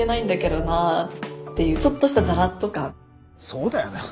そうだよな。